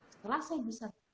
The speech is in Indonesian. setelah saya bisa